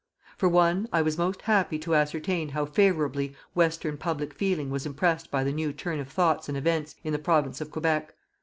For one, I was most happy to ascertain how favourably western public feeling was impressed by the new turn of thoughts and events in the Province of Quebec.